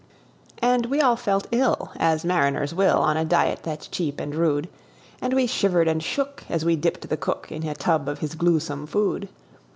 And we all felt ill as mariners will, On a diet that's cheap and rude; And we shivered and shook as we dipped the cook In a tub of his gluesome food.